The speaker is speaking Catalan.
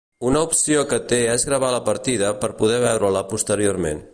Una opció que té és gravar la partida per poder veure-la posteriorment.